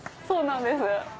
そうなんです。